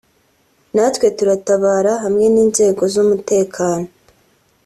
natwe turatabara hamwe n’inzego z’umutekano